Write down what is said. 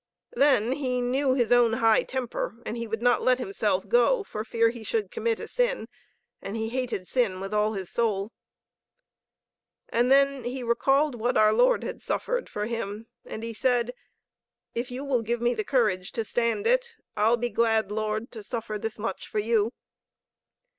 Then, he knew his own high temper and he would not let himself go, for fear he should commit a sin and he hated sin with all his soul. And then he recalled what our Lord had suffered for him, and he said: "If you will give me the courage to stand it, I'll be glad, Lord, to suffer this much for You."